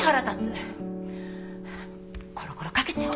コロコロかけちゃおう！